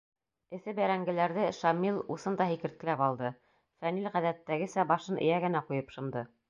Эҫе бәрәңгеләрҙе Шамил усында һикерткеләп алды, Фәнил ғәҙәттәгесә башын эйәгенә ҡуйып шымды.